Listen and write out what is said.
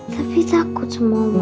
tapi takut sama oma